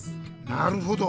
なるほど。